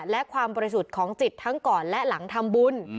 และความบริสุทธิ์ของจิตทั้งก่อนและหลังทำบุญ